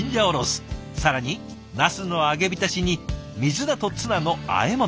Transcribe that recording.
更にナスの揚げびたしに水菜とツナの和え物。